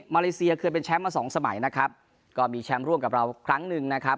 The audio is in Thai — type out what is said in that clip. มาเลเซียเคยเป็นแชมป์มาสองสมัยนะครับก็มีแชมป์ร่วมกับเราครั้งหนึ่งนะครับ